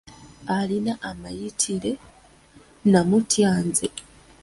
Alina amayitire' namutya nze.